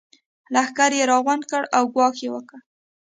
لښکر يې راغونډ کړ او ګواښ يې وکړ.